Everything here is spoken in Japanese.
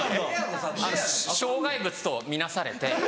障害物と見なされて。